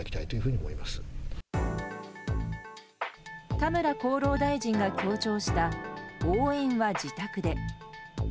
田村厚労大臣が強調した応援は自宅で。